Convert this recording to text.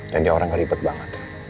dan dia orang gak ribet banget